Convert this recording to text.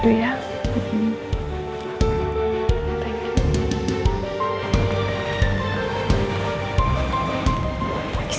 ibu minta spesifikasi nanti ya